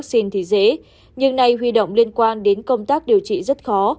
vắc xin thì dễ nhưng nay huy động liên quan đến công tác điều trị rất khó